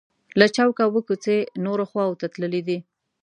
له چوکه اووه کوڅې نورو خواو ته تللي دي.